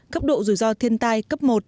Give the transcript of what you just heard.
cấp độ rủi ro thiên tai cấp một